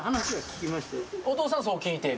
お父さんはそう聞いている。